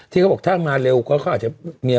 ที่เขาบอกถ้ามาเร็วก็อาจจะเหงียว